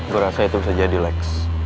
gue rasa itu bisa jadi lex